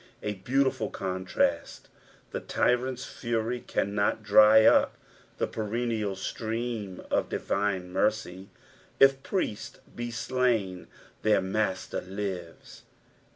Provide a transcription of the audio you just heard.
A beautiful contrast. The tjranVs fury cannot dry up the perennial stream of divine mercy. If priests be slain their Master lives.